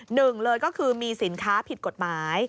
หนึ่งเลยก็คือมีสินค้าผิดกฎหมาย